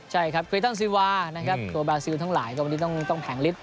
ใช่ครับเคยตั้งซีวานะครับตัวบาซิลทั้งหลายก็ต้องแผ่งลิศ